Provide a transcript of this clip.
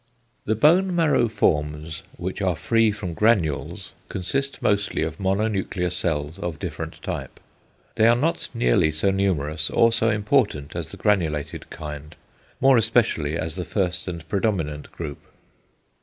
The bone marrow forms which are free from =granules= consist mostly of mononuclear cells of different type. They are not nearly so numerous, or so important as the granulated kind, more especially as the first and predominant group.